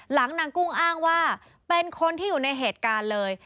นางกุ้งอ้างว่าเป็นคนที่อยู่ในเหตุการณ์เลย